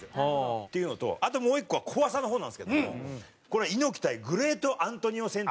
っていうのとあともう１個は怖さの方なんですけどもこれ猪木対グレート・アントニオ戦って。